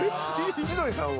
千鳥さんは？